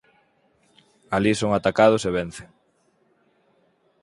Alí son atacados e vencen.